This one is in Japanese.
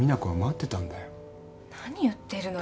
何言ってるのよ！